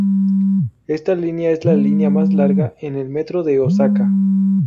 Este línea es la línea más larga en el metro de Osaka.